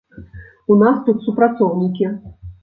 У нас тут супрацоўнікі.